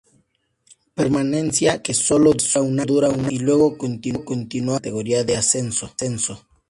Permanencia que sólo dura un año, y luego continuar en la categoría de ascenso.